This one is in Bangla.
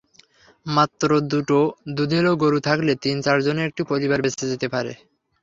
মাত্র দুটো দুধেল গরু থাকলে তিন চারজনের একটি পরিবার বেঁচে যেতে পারে।